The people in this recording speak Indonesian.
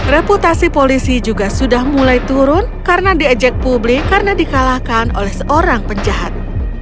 reputasi polisi juga sudah mulai turun karena diajak publik karena dikalahkan oleh seorang penjahat